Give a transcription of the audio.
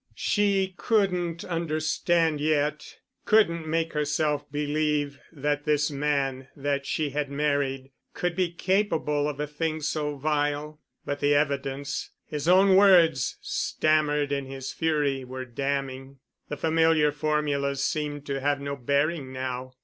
She couldn't understand yet—couldn't make herself believe that this man that she had married could be capable of a thing so vile. But the evidence—his own words stammered in his fury, were damning. The familiar formulas seemed to have no bearing now.